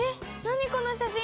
何この写真。